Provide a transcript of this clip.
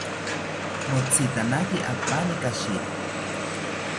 Motzitanaki apani kashiri